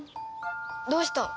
どうした？